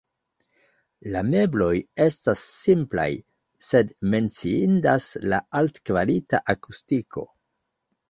La mebloj estas simplaj, sed menciindas la altkvalita akustiko.